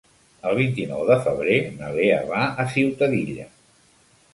El vint-i-nou de febrer na Lea va a Ciutadilla.